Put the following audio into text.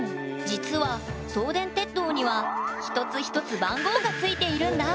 実は送電鉄塔には一つ一つ番号がついているんだ！